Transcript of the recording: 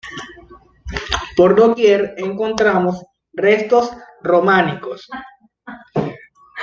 Por doquier encontramos restos románicos.